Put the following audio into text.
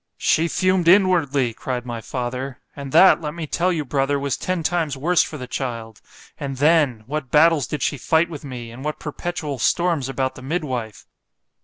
——She fumed inwardly, cried my father; and that, let me tell you, brother, was ten times worse for the child—and then! what battles did she fight with me, and what perpetual storms about the midwife.